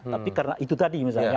tapi karena itu tadi misalnya